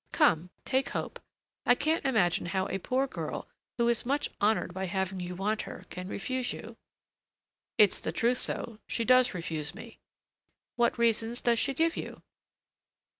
Come, take hope. I can't imagine how a poor girl, who is much honored by having you want her, can refuse you." "It's the truth, though, she does refuse me." "What reasons does she give you?"